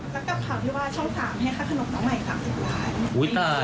แล้วก็ผีมือว่าช่อง๓ให้ค่าขนมของใหม่๓๐ล้าน